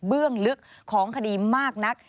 เบื้องลึกของคดีมากนัก